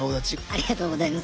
ありがとうございます。